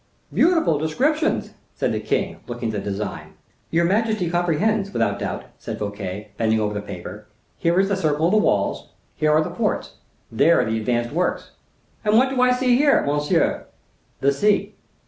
"Beautiful descriptions!" said the king, looking at the design. "Your majesty comprehends, without doubt," said Fouquet, bending over the paper; "here is the circle of the walls, here are the forts, there the advanced works." "And what do I see here, monsieur?" "The sea."